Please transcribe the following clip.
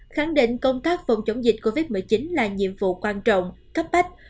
khẳng định công tác phòng chống dịch covid một mươi chín là nhiệm vụ quan trọng cấp bách